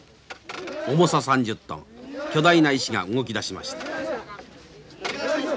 重さ３０トン巨大な石が動き出しました。